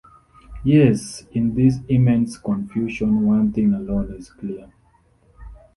Yes, in this immense confusion one thing alone is clear.